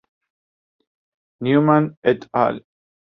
Newman et al.